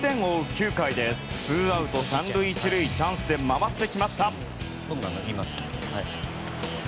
９回ツーアウト３塁１塁チャンスで回ってきました。